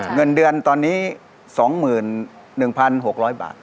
เงินเดือนตอนนี้๒๑๖๐๐บาท